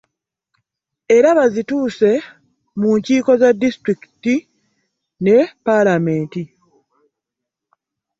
Era bazituuse mu nkiiko za disitulikiti ne palamenti.